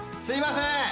すいません！